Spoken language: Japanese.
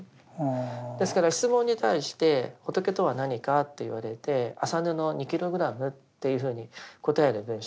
ですから質問に対して仏とは何かと言われて麻布２ｋｇっていうふうに答える文章。